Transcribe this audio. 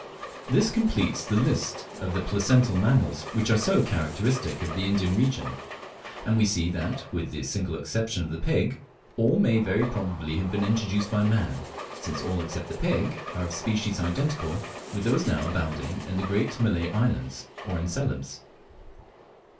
This completes the list of the placental mammals which are so characteristic of the Indian region; and we see that, with the single exception of the pig, all may very probably have been introduced by man, since all except the pig are of species identical with those now abounding in the great Malay islands, or in Celebes.